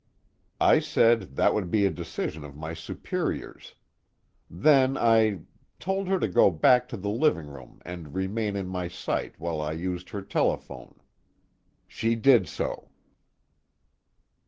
I said that would be a decision of my superiors. Then I told her to go back to the living room and remain in my sight while I used her telephone. She did so."